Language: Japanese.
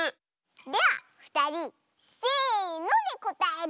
ではふたりせのでこたえるんじゃ。